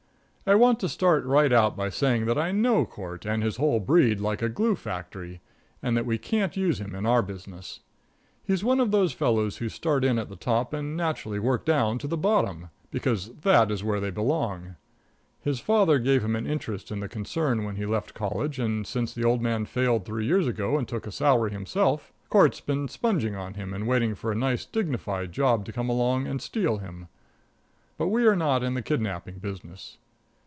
I want to start right out by saying that I know Court and his whole breed like a glue factory, and that we can't use him in our business. He's one of those fellows who start in at the top and naturally work down to the bottom, because that is where they belong. His father gave him an interest in the concern when he left college, and since the old man failed three years ago and took a salary himself, Court's been sponging on him and waiting for a nice, dignified job to come along and steal him. But we are not in the kidnapping business.